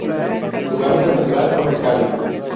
Su hábitat natural son los caves.